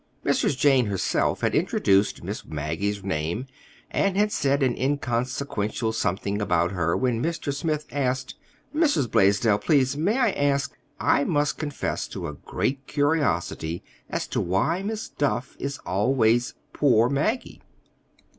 Mrs. Jane herself had introduced Miss Maggie's name, and had said an inconsequential something about her when Mr. Smith asked:— "Mrs. Blaisdell, please,—may I ask? I must confess to a great curiosity as to why Miss Duff is always 'poor Maggie.